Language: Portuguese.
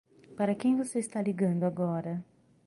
Para quem você está ligando agora?